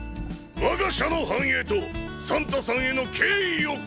我が社の繁栄とサンタさんへの敬意を込めて！